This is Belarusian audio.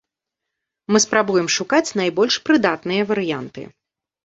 Мы спрабуем шукаць найбольш прыдатныя варыянты.